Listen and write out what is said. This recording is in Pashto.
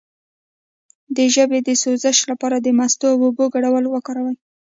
د ژبې د سوزش لپاره د مستو او اوبو ګډول وکاروئ